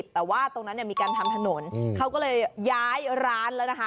แต่ว่าตรงนั้นเนี่ยมีการทำถนนเขาก็เลยย้ายร้านแล้วนะคะ